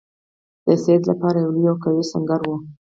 د سید لپاره یو لوی او قوي سنګر وو.